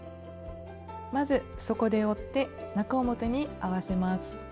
まず底で折って中表に合わせます。